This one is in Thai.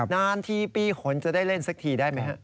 นานทีปีขนจะได้เล่นสักทีได้ไหมฮะ